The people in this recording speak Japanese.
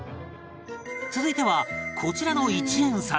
続いてはこちらの１円札